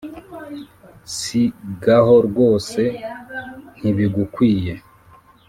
si gaho rwose ntibigukwiye